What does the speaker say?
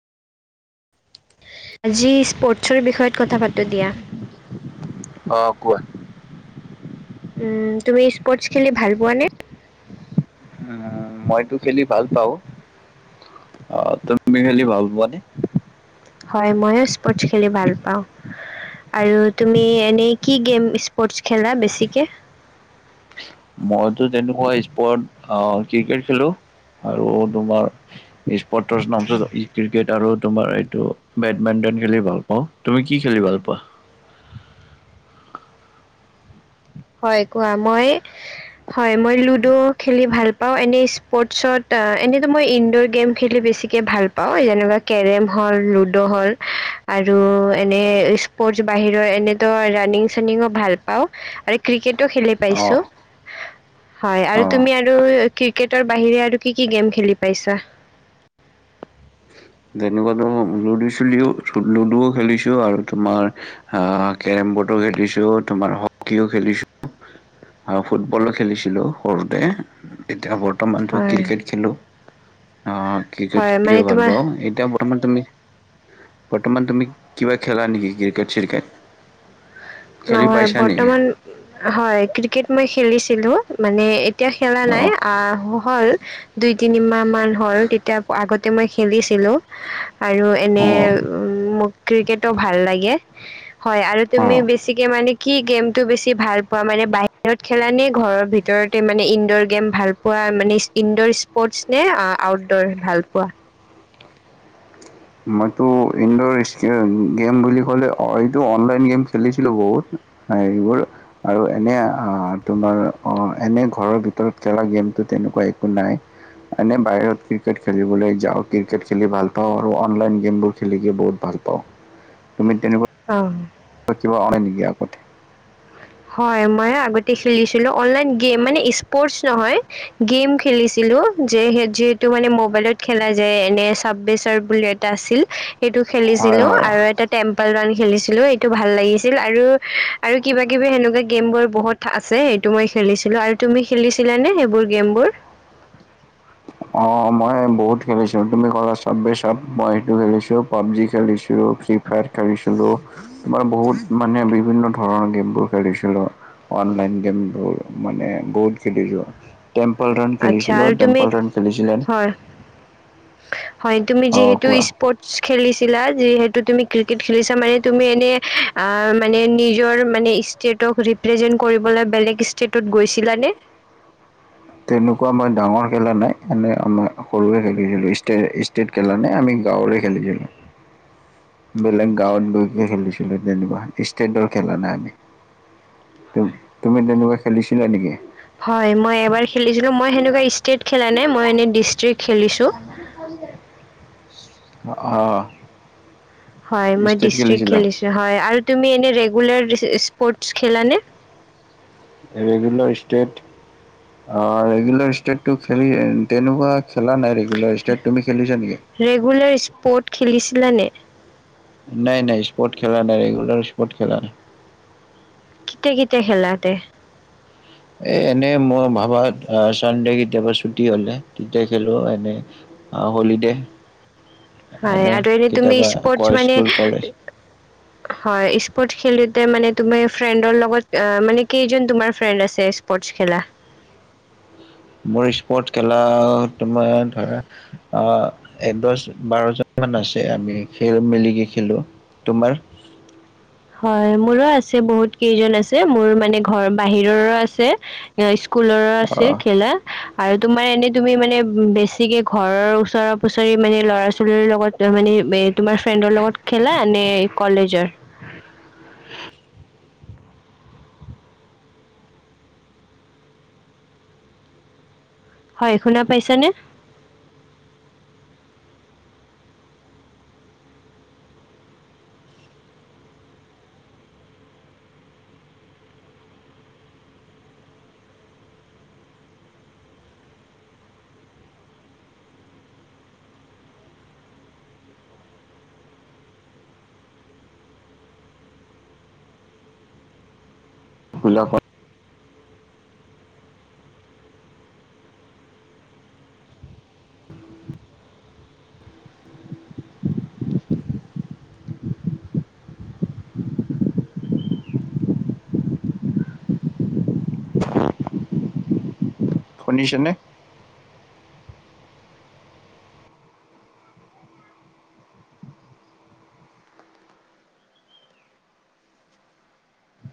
আজি sports বিষয়ত কথা পাতোঁ দিয়া অ কোৱা? উম তুমি স্পৰ্টছ খেলি ভাল পোৱা নে? উম মইতো খেলি ভাল পাওঁ। আহ, তুমি খেলি ভাল পোৱানে? হয় ময়ো স্পৰ্টছ খেলি ভাল পাওঁ আৰু তুমি এনেই কি গেম স্পৰ্টছ খেলা বেছিকে? মইতো তেনেকুৱা স্পৰ্ট অ ক্ৰিকেট খেলো আৰু তোমাৰ স্প- ৰ্টছ নাম ক্ৰিকেট আৰু তোমাৰ এইটো বেডমিন্টন খেলি ভাল পাওঁ। তুমি কি খেলি ভাল পোৱা? হয় কোৱা মই হয় মই লুডো খেলি ভাল পা পা এনে স্পৰ্টচত এনেতো মই ইনডৰ গেম খেলি বেছিকে ভাল পাওঁ যেনেকুৱা কেৰম হল লুডো হল আৰু এনে স্পৰ্টচ বাহিৰৰ এনেতো ৰানিং চানিঙো ভাল পাওঁ আৰু ক্ৰিকেট খেলি অ পাইছো হয় অ আৰু তুমি আৰু ক্ৰিকেটৰ বাহিৰে আৰু কি কি গেম খেলি পাইছা? তেনেকুৱাতো লুডু চুলিও লুডুও খেলিছো আৰু তোমাৰ আহ কেৰম বৰ্ডও খেলিছো তোমাৰ হকীও খেলিছো, আৰু ফুটবলো খেলিছিলো সৰুতে এতিয়া ব বৰ্তমানতো হয় ক্ৰিকেট খেলো অ ক্ৰিকেট হয় মানে খেলিও ভাল তোমাৰ পাওঁ। এতিয়া বৰ্তমান তুমি বৰ্তমান তুমি কিবা খেলা নেকি ক্ৰিকেট চিৰকেট? খেলি নহয় পাইছা নেকি? বৰ্তমান হয় ক্ৰিকেট মই খেলিছিলো মানে এতিয়া খেলা নাই অ', আহ হল দুই তিনি মাহ হয় তেতিয়া আগত মই খেলিছিলো আৰু এনে অ', উ মোক ক্ৰিকেটো ভাল লাগে হয় আৰু তুমি অ'। বেছি মানে কি গেমতটো বেছি ভাল পোৱা মানে বাহিৰত খেলা নে ঘৰৰ ভিতৰতে মানে ইনডৰ গেম ভাল পোৱা মানে ইনডৰ স্পৰ্টচ নে আউটডৰ ভাল পোৱা মইতো ইনডৰ গেম বুলি ক'লে এইটো অনলাইন গেম খেলিছিলো। বহুত হবোৰ আৰু এনে তোমাৰ অ এনে ঘৰৰ ভিতৰত খেলা গেমটো তেনেকুৱা একো নাই এনে বাহিৰত ক্ৰিকেট খেলিবলৈ যাওঁ ক্ৰিকেট খেলি ভাল পাওঁ। আৰু অনলাইন গেমবোৰ খেলিকে বহুত ভাল পাওঁ। তুমি তেনেকুৱা পাওঁ। কিবা অ নেকি আগতে হয় মই আগতে খেলিছিলো অনলাইন গেম মানে স্পৰ্টচ নহয় গেম খেলিছিলো যিহেতু মানে মবাইলত খেলা যায় এনো বুলি এটা আছিল সেইটো হয়, খেলিছিলো হয়। আৰু এটা টেম্পল ৰান খেলিছিলো এইটো ভাল লাগিছিল আৰু আৰু কিবা কিবি সেনেকুৱা গেমবোৰ বহুত আছে সেইটো মই খেলিছিলো আৰু তুমি খেলিছিলানে সেইবোৰ গেমবোৰ? অ মই বহুত খেলিছিলো তুমি কলা চাবেই চাব মই সেইটো খেলিছো পাবজি খেলিছিলো, ফ্ৰী ফায়াৰ খেলিছিলো, তোমাৰ বহুত মানে বিভিন্ন ধৰণৰ গেমবোৰ খেলিছিলো অনলাইন গেমবোৰ মানে বহুত খেলিছো। টেম্পল ৰান আচ্ছা খেলিছিলো। আৰু তুমি খেলিছিলানে? হয় [unintelligible] হয় তুমি যিহেতু স্পৰ্টচ খেলি যিহেতু তুমি ক্ৰিকেত খেলিছা মানে তুমি এনে মানে নিজৰ মানে ষ্টেটক ৰিপ্ৰেজেন্ কৰিবলৈ বেলেগ ষ্টেটত গৈছিলানে? তেনেকুৱা মই ডাঙৰ খেলা নাই এনে আম সৰুৱে খেলিছিলোঁ ষ্টে-ষ্টেট খেলা নাই আমি গাঁৱৰে খেলিছিলোঁ। বেলেগ আচ্ছা, গাঁৱত গৈ খেলিছো। তেনেকুৱা ষ্টেডৰ খেলা নাই আমি তুমি তেনেকুৱা খেলিছিলা নেকি? হয় মই এবাৰ খেলিছিলোঁ মই সেনেকুৱা ষ্টেট খেলা নাই মই এনেই ডিষ্ট্ৰিক্ খেলিছোঁ। অ' হয় মই ডিষ্ট্ৰিক খেলিছো, হয়। আৰু তুমি এনে [unintelligible] স্পৰ্টছ খেলা নে? ৰেগুলাৰ ষ্টেট, অ' ৰেগুলাৰ ষ্টেটটো খেলি তেনেকুৱা খেলা নাই ৰেগুলাৰ ষ্টেট, তুমি খেলিছা নেকি? লানে নাই নাই স্পৰ্ট খেলা নাই, ৰেগুলাৰ স্পৰ্ট খেলা কেতিয়া কেতিয়া খেলা তে? এই এনেই মই ভাবাত চানডে কেতিয়াবা ছুটি হ'লে, তেতিয়া খেলো, এনেই হলিডে হয়, আৰু এনে তুমি কেতিয়াবা আকৌ স্পৰ্টছ মানে স্কুল কলেজ হয় স্পৰ্ট খেলি মানে তুমি ফ্ৰেণ্ডৰ লগত, মানে কেইজন তোমাৰ ফ্ৰেণ্ড আছে স্পৰ্টছ খেলা? মোৰ স্পৰ্টছ খেলা, তোমাৰ ধৰা, অ' এ দশ-বাৰজন মান আছে, আমি খেল মিলিকে খেলো। তোমাৰ? হয়, মোৰো আছে বহুত কেইজন আছে। মোৰ মানে ঘৰ বাহিৰৰো আছে। স্কুলৰো আছে অ' খেলা। আৰু তোমাৰ এনেই তুমি মানে বেছিকে ঘৰৰ ওচৰে-পুচৰি মানে ল'ৰা-ছোৱালীৰ লগত মানে, তোমাৰ ফ্ৰেণ্ডৰ লগত খেলা, নে কলেজৰ? [inaudible] হয়, শুনা পাইছানে? [unintelligible] শুনিছানে?